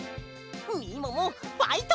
みももファイト！